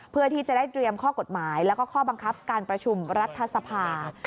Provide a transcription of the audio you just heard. เพื่อที่จะได้เตรียมข้อกฎหมายแล้วก็ข้อบังคับการประชุมรัฐสภา